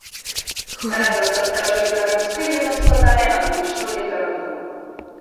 Разам са старажытнарымскай яна складае антычную літаратуру.